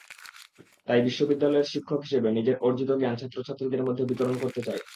তাই বিশ্ববিদ্যালয়ের শিক্ষক হিসেবে নিজের অর্জিত জ্ঞান ছাত্রছাত্রীদের মধ্যে বিতরণ করতে চাই।